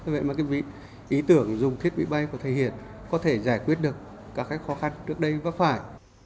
vậy mà ý tưởng dùng thiết bị bay của thầy hiển có thể giải quyết được các cái khó khăn trước đây vấp phải